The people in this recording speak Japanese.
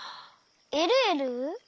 えるえる！